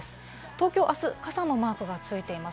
東京はあすは傘のマークがついています。